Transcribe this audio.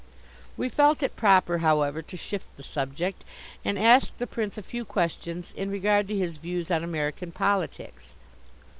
We felt it proper, however, to shift the subject, and asked the Prince a few questions in regard to his views on American politics.